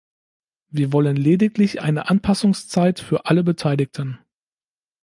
Wir wollen lediglich eine Anpassungszeit für alle Beteiligten.